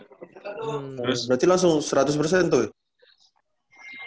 berarti langsung seratus tuh